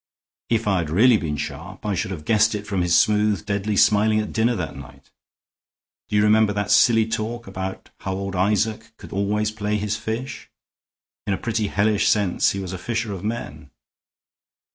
If I'd really been sharp I should have guessed it from his smooth, deadly smiling at dinner that night. Do you remember that silly talk about how old Isaac could always play his fish? In a pretty hellish sense he was a fisher of men."